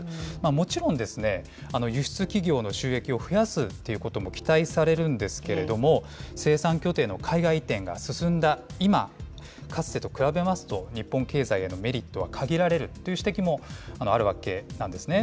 もちろん、輸出企業の収益を増やすっていうことも期待されるんですけれども、生産拠点の海外移転が進んだ今、かつてと比べますと、日本経済へのメリットは限られるという指摘もあるわけなんですね。